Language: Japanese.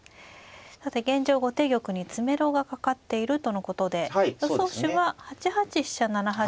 さて現状後手玉に詰めろがかかっているとのことで予想手は８八飛車７八飛車。